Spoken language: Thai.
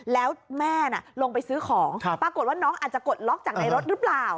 แล้วแม่น่ะลงไปซื้อของปรากฏว่าน้องอาจจะกดล็อกจากในรถหรือเปล่า